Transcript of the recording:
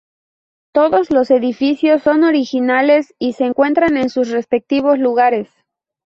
Todos los edificios son originales, y se encuentran en sus respectivos lugares.